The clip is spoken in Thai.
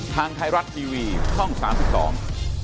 ทางไทยรัฐทีวีช่องสามสิบสอง